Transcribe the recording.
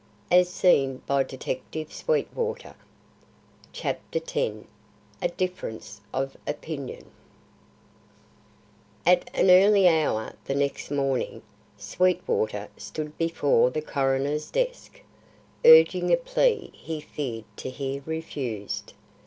AS SEEN BY DETECTIVE SWEETWATER X. A DIFFERENCE OF OPINION At an early hour the next morning, Sweetwater stood before the coroner's desk, urging a plea he feared to hear refused.